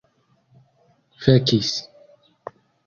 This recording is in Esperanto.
fekis